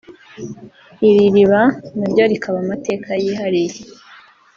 iri iriba naryo rikaba amateka yihariye